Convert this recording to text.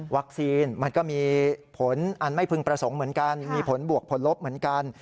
มันก็มีผลอันไม่พึงประสงค์เหมือนกันมีผลบวกผลลบเหมือนกัน